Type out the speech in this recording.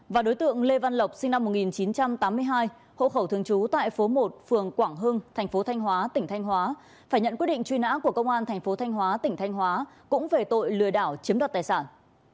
và đối tượng lê văn lộc sinh năm một nghìn chín trăm tám mươi hai hộ khẩu thường trú tại phố một phường quảng hưng thành phố thanh hóa tỉnh thanh hóa phải nhận quyết định truy nã của công an thành phố thanh hóa tỉnh thanh hóa cũng về tội lừa đảo chiếm đoạt tài sản